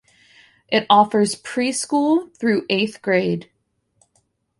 It offers preschool through eighth grade.